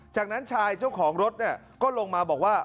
จากนั้นชายเจ้าของรถก็ลงมาบอกว่า